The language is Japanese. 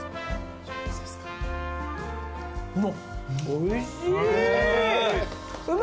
おいしい。